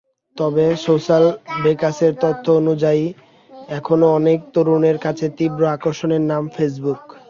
তবে সোশ্যাল বেকার্সের তথ্য অনুযায়ী, এখনো অনেক তরুণের কাছে তীব্র আকর্ষণের নাম ফেসবুক।